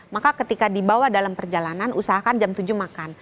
maka ketika dibawa dalam perjalanan usahakan jam tujuh makan